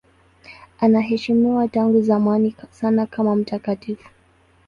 Anaheshimiwa tangu zamani sana kama mtakatifu.